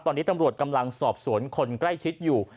ตอนนี้ตำรวจกำลังสอบสวนคนใกล้ชิดอยู่